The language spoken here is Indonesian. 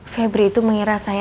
febri itu mengira saya